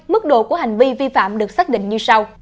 mức độ của hành vi vi phạm được xác định như sau